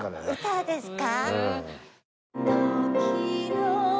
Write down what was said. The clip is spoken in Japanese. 歌ですか？